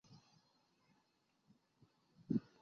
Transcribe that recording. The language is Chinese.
金周路站是一个岛式站台车站。